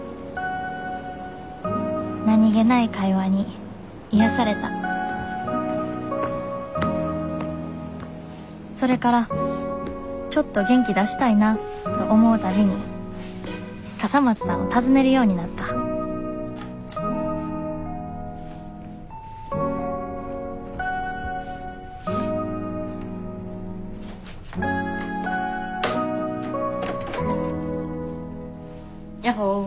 何気ない会話に癒やされたそれからちょっと元気出したいなと思うたびに笠松さんを訪ねるようになったやっほ。